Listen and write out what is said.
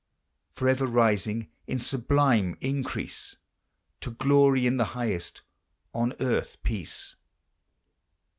Forever rising in sublime increase To "Glory in the highest, on earth peace"?